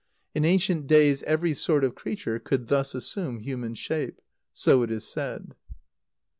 In ancient days every sort of creature could thus assume human shape. So it is said.